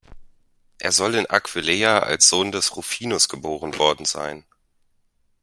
Er soll in Aquileia als Sohn des Rufinus geboren worden sein.